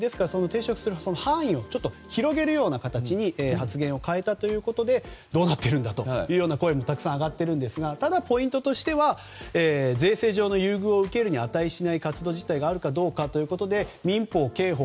抵触する範囲を広げるような形で発言を変えたということでどうなっているんだという声もたくさん上がっているんですがただポイントとしては税制上の優遇を受けるに値しない活動実態があるかどうかということで民法、刑法